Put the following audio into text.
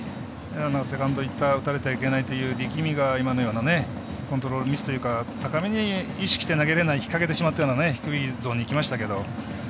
セカンドいって打たれちゃいけないといった力みが、今のようなコントロールミスというか高めに意識して投げれない引っ掛けてしまって低いゾーンにきますが。